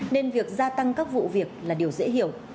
nên việc gia tăng các vụ việc là điều dễ hiểu